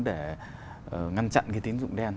để ngăn chặn cái tín dụng đen